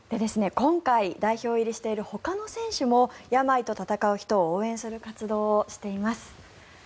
今回、代表入りしているほかの選手も病と闘う人を応援する活動をしています。